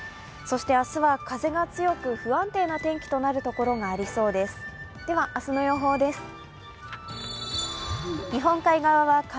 そして明日は風が強く不安定な天気となるところがありそうです。